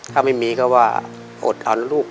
ถ้าไม่มีก็ว่าอดทนลูก